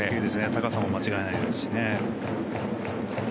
高さも間違えないですしね。